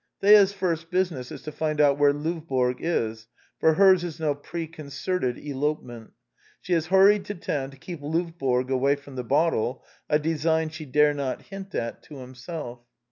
Thea's first business is to find out where Lovborg is ; for hers is no preconcerted elopement: she has hur ried to town to keep Lovborg away from the botde, a design she dare not hint at to himself.